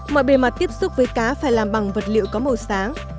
mọi bề mặt tiếp xúc với cá phải làm bằng vật liệu có màu sáng